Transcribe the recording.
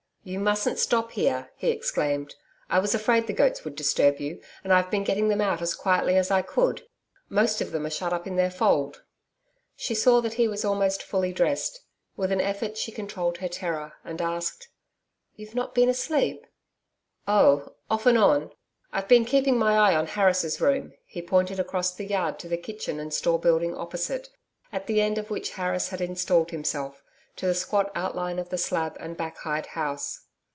'You mustn't stop here,' he exclaimed. 'I was afraid the goats would disturb you, and I've been getting them out as quietly as I could. Most of them are shut up in their fold.' She saw that he was almost fully dressed. With an effort she controlled her terror, and asked: 'You've not been asleep.' 'Oh! off and on. I've been keeping my eye on Harris' room,' he pointed across the yard to the kitchen and store building opposite at the end of which Harris had installed himself to the squat outline of the slab and back hide house.